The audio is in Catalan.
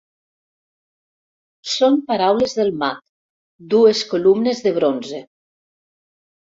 Són paraules del mag: dues columnes de bronze.